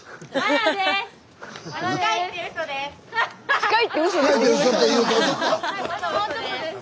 あともうちょっとです。